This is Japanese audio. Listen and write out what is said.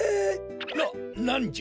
ななんじゃ？